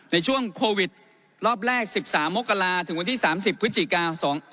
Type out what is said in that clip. ในช่วงโควิดรอบแรก๑๓มกราถึงวันที่๓๐พฤศจิกา๒๕๖